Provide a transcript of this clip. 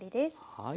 はい。